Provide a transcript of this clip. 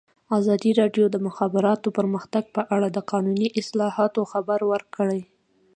ازادي راډیو د د مخابراتو پرمختګ په اړه د قانوني اصلاحاتو خبر ورکړی.